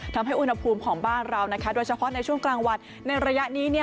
ทำให้อุณหภูมิของบ้านเราโดยเฉพาะในช่วงกลางวันในระยะนี้